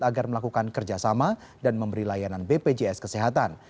agar melakukan kerjasama dan memberi layanan bpjs kesehatan